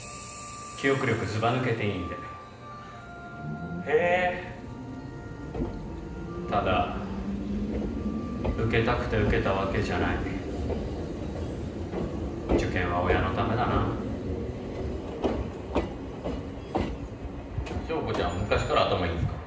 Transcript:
記憶力ずばぬけていいんでへえただ受けたくて受けたわけじゃない受験は親のためだな硝子ちゃん昔から頭いいんですか？